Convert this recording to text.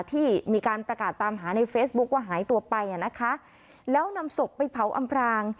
ที่มีการประกาศตามหาในเฟซบุ๊คว่าหายตัวไปอ่ะนะคะแล้วนำศพไปเผาอำพราง